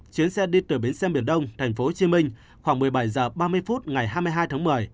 chuyến xe đi từ bến xe biển đông tp hcm khoảng một mươi bảy h ba mươi phút ngày hai mươi hai tháng một mươi